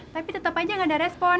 tapi tetap aja gak ada respon